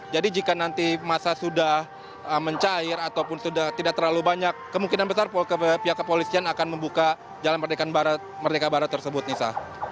jika nanti masa sudah mencair ataupun sudah tidak terlalu banyak kemungkinan besar pihak kepolisian akan membuka jalan merdeka barat tersebut nisa